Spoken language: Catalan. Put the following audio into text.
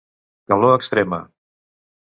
Calor Extrema.